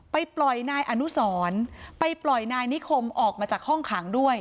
ไปปล่อยนายอนุสรไปปล่อยนายนิคมออกมาจากห้องขังด้วย